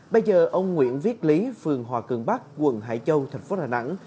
bây giờ ông nguyễn viết lý phường hòa cường bắc quận hải châu thành phố đà nẵng